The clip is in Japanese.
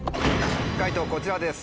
解答こちらです。